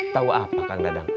tau apa kang dadang